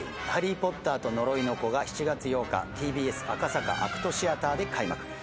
「ハリー・ポッターと呪いの子」が７月８日ＴＢＳ赤坂ＡＣＴシアターで開幕